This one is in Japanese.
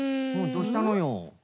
どうしたのよ？